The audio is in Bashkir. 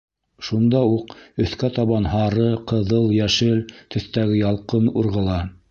Шунда уҡ өҫкә табан һары, ҡыҙыл, йәшел төҫтәге ялҡын урғыла.